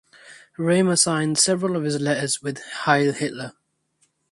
Riemer signed several of his letters with "Heil Hitler".